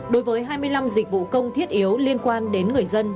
đối với hai mươi năm dịch vụ công thiết yếu liên quan đến người dân